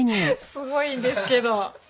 すごいんですけど。